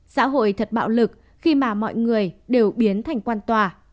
xã hội thật bạo lực khi mà mọi người đều biến thành quan tòa